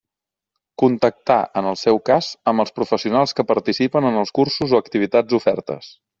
Contactar, en el seu cas, amb els professionals que participen en els cursos o activitats ofertes.